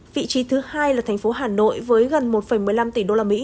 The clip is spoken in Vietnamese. vị trí thứ hai là thành phố hà nội với gần một một mươi năm tỷ usd